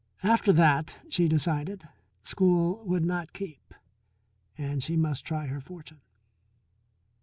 After that, she decided, school would not keep, and she must try her fortune.